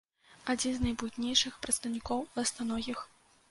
Адзін з найбуйнейшых прадстаўнікоў ластаногіх.